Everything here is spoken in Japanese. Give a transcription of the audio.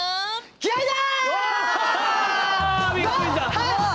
気合いだ！